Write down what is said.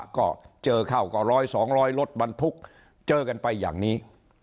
ก็เจอเข้าก็ร้อยสองร้อยรถบรรทุกเจอกันไปอย่างนี้